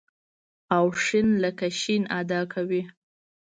او ښ لکه ش ادا کوي.